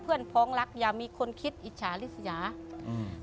เพื่อนเพื่อนพ้องรักอย่ามีคนคิดอิจฉาฤทธิ์สิยะอืม